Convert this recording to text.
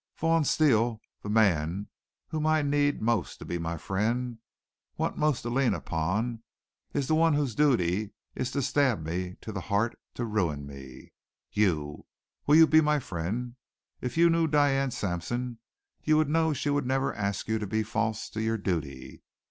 "Vaughn Steele, the man whom I need most to be my friend want most to lean upon is the one whose duty is to stab me to the heart, to ruin me. You! Will you be my friend? If you knew Diane Sampson you would know she would never ask you to be false to your duty.